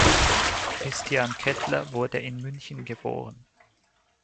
Christian Kettler wurde in München geboren.